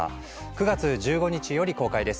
９月１５日より公開です。